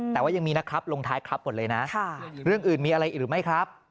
แต่ว่ายังมีนะครับลงท้ายครับหมดเลยนะเรื่องอื่นมีอะไรอีกหรือไม่ครับ